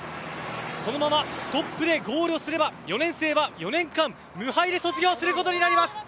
このままトップでゴールすれば４年生は４年間、無敗で卒業することになります。